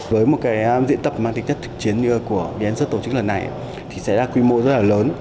với một cái diễn tập mang tính chất thực chiến của bnc tổ chức lần này thì sẽ là quy mô rất là lớn